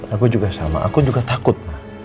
aku juga sama aku juga takut